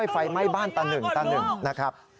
ไฟไหม้บ้านตะหนึ่งนะครับ